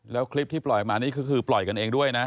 แล้วคลิปที่ปล่อยมานี่ก็คือปล่อยกันเองด้วยนะ